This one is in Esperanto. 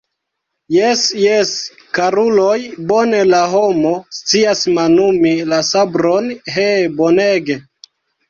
Jes, jes, karuloj, bone la homo scias manumi la sabron, he, bonege!